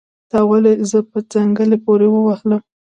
تا ولې زه په څنګلي پوري وهلم